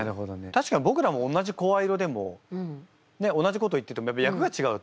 確かに僕らも同じ声色でも同じこと言ってても役が違うと。